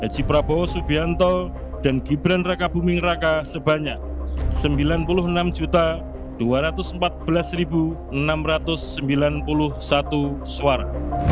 gaji prabowo subianto dan gibran raka buming raka sebanyak sembilan puluh enam dua ratus empat belas enam ratus sembilan puluh satu suara